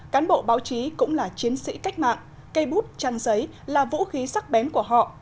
cán bộ báo chí cũng là chiến sĩ cách mạng cây bút chăn giấy là vũ khí sắc bén của họ